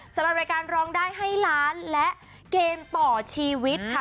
สำหรับรายการร้องได้ให้ล้านและเกมต่อชีวิตค่ะ